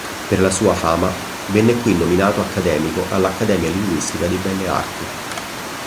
Per la sua fama venne qui nominato Accademico all'Accademia Ligustica di Belle Arti.